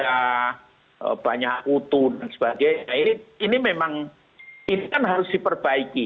begitu kualitasnya rendah banyak utuh dan sebagainya ini memang ini kan harus diperbaiki